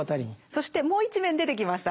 そしてもう一面出てきましたね。